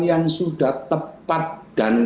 yang sudah tepat dan